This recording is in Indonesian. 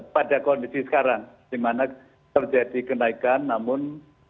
pada kondisi sekarang dimana terjadi kenaikan namun